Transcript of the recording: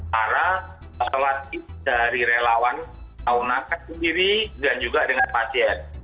para sholat hit dari relawan tahun nafas sendiri dan juga dengan pasien